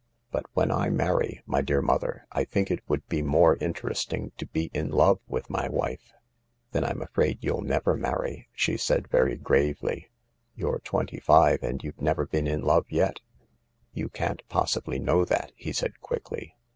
"But when I marry my dear mother, I think it would be more interesting to be in love with my wife." '7 hen <.v m f fraid y0U ' U never marrv " she ^ very gravely You're twenty five, and you've never been in love yet/ " You can't possibly know that," he said quickly.